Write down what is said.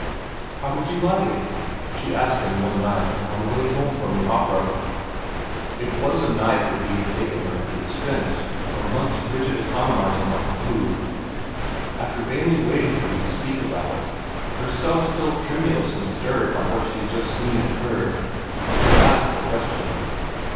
"How did you like it?" she asked him one night, on the way home from the opera. It was a night when he had taken her at the expense of a month's rigid economizing on food. After vainly waiting for him to speak about it, herself still tremulous and stirred by what she had just seen and heard, she had asked the question.